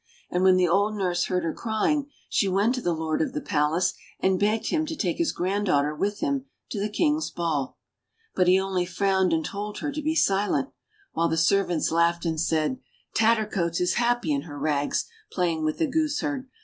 And when the old nurse heard her crying she went to the Lord of the Palace, and begged him to take his granddaughter with him to the King's ball. But he only frowned and told her to be silent ; while the servants laughed and said, "Tattercoats is happy in her rags, playing with the gooseherd